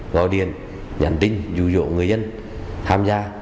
gọi điện nhắn tin dụ dỗ người dân tham gia